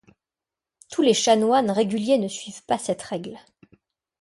Tous les chanoines réguliers ne suivent pas cette règle.